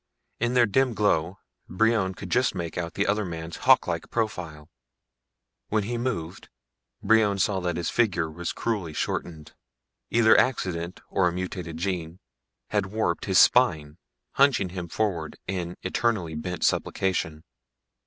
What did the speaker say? In their dim glow Brion could just make out the other man's hawklike profile. When he moved, Brion saw that his figure was cruelly shortened. Either accident or a mutated gene had warped his spine, hunching him forward in eternally bent supplication.